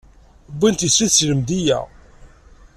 Wwin-d tislit seg Lemdeyya.